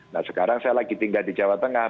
nah sekarang saya lagi tinggal di jawa tengah